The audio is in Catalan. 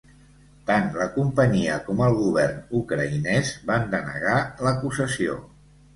Tant la companyia com el govern ucraïnès van denegar l"acusació.